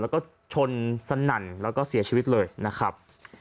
แล้วก็ชนสนั่นแล้วก็เสียชีวิตเลยนะครับ